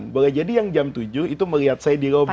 boleh jadi yang jam tujuh itu melihat saya di lobi